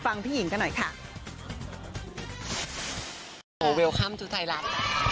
ขอบคุณครับ